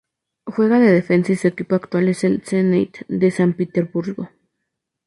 Juega de defensa y su equipo actual es el Zenit de San Petersburgo.